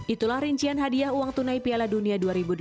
itulah rincian hadiah uang tunai piala dunia dua ribu delapan belas